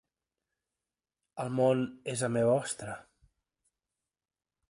El món és la meva ostra